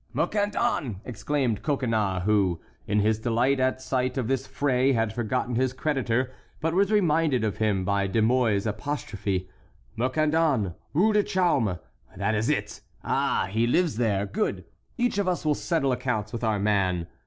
"Mercandon!" exclaimed Coconnas, who, in his delight at sight of this fray, had forgotten his creditor, but was reminded of him by De Mouy's apostrophe; "Mercandon, Rue du Chaume—that is it! Ah, he lives there! Good! Each of us will settle accounts with our man."